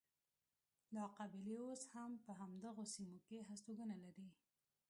دا قبیلې اوس هم په همدغو سیمو کې هستوګنه لري.